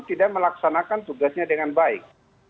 tidak melaksanakan tugasnya dengan baik